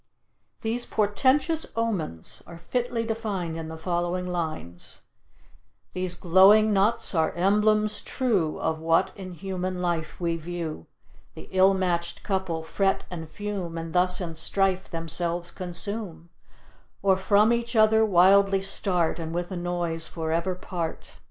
These portentous omens are fitly defined in the following lines: "These glowing nuts are emblems true Of what in human life we view; The ill matched couple fret and fume, And thus in strife themselves consume; Or from each other wildly start, And with a noise forever part.